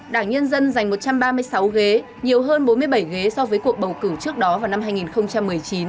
đảng nhân dân giành một trăm ba mươi sáu ghế nhiều hơn bốn mươi bảy ghế so với cuộc bầu cử trước đó vào năm hai nghìn một mươi chín